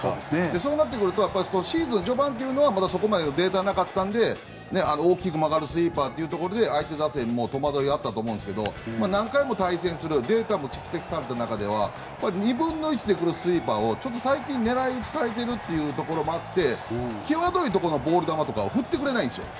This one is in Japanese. そうなってくるとシーズン序盤というのはそこまでデータがなかったので大きく曲がるスイーパーで相手打線も戸惑いがあったと思いますが、何回も対戦するデータが蓄積された中では２分の１でスイーパーを狙い撃ちされているということもあって際どいところのボール球を振ってくれないんですよ。